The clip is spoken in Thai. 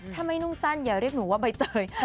ถ้าไม่นุ่งสั้นอย่าเรียกหนูว่าใบเตย